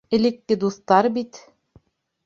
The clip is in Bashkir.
Элекке дуҫтар бит.